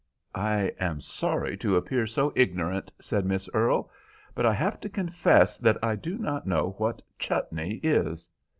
"I am sorry to appear so ignorant," said Miss Earle, "but I have to confess I do not know what chutney is."